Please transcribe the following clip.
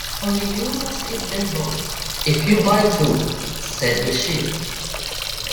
‘Only you must eat them both, if you buy two,’ said the Sheep.